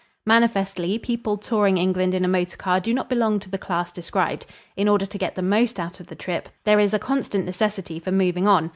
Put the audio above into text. Manifestly, people touring England in a motor car do not belong to the class described. In order to get the most out of the trip, there is a constant necessity for moving on.